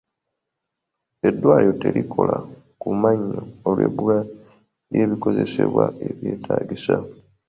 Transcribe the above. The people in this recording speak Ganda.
Eddwaliro terikola ku mannyo olw'ebbula ly'ebikozesebwa ebyetaagisa.